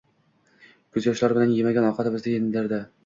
Ko'zyoshlari bilan yemagan ovqatimizni yednradi.